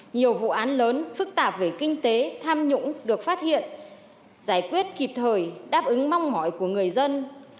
nhiều vụ án lớn phức tạp về kinh tế tham nhũng được phát hiện giải quyết kịp thời đáp ứng mong mỏi của người dân